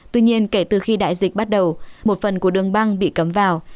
tuy nhiên kể từ khi đại dịch bắt đầu một phần của đường băng bị cấm vào